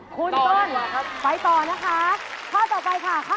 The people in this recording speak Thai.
คุณต้อนไปต่อค่ะ